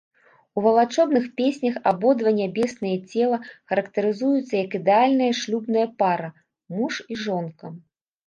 У валачобных песнях абодва нябесныя целы характарызуюцца як ідэальная шлюбная пара, муж і жонка.